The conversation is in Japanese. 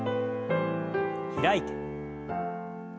開いて。